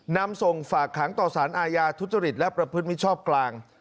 นำส่งฝากขังต่อสารอาญาทุจริตและประพฤติมิชชอบกลาง